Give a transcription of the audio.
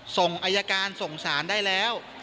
ส่งอายการส่งสารได้แล้ว